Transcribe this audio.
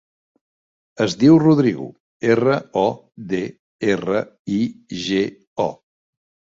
Es diu Rodrigo: erra, o, de, erra, i, ge, o.